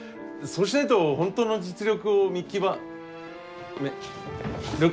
そうしないと本当の実力を見極めることが。